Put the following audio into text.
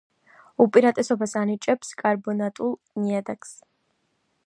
უპირატესობას ანიჭებს კარბონატულ ნიადაგს.